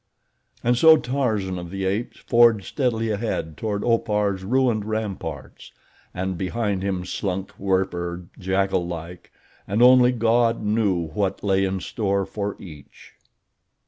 And so Tarzan of the Apes forged steadily ahead toward Opar's ruined ramparts and behind him slunk Werper, jackal like, and only God knew what lay in store for each.